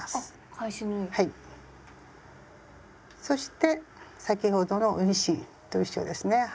そして先ほどの運針と一緒ですね。